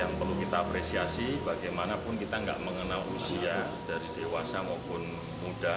yang perlu kita apresiasi bagaimanapun kita nggak mengenal usia dari dewasa maupun muda